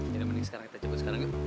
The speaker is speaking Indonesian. ya udah mending kita cepet sekarang yuk